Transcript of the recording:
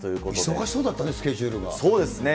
忙しそうだったね、スケジュそうですね。